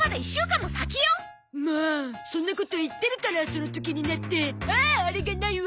もうそんなこと言ってるからその時になって「ああっあれがないわ！」